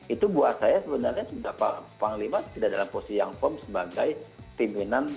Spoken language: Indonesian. itu buat saya sebenarnya sudah panglima tidak dalam posisi yang firm sebagai pimpinan